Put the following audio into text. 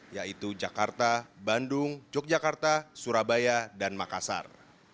yaitu jakarta bandung yogyakarta surabaya dan makassar